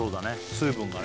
水分がね